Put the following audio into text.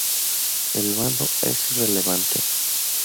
El bando es irrelevante.